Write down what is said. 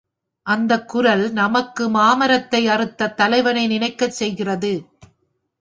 அந்தக் குரல் நமக்கு மாமரத்தை அறுத்த தலைவன நினைக்கச் செய்கிறது.